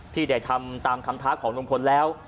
ที่ได้ทำตามคำท้าของลุงพลแล้ว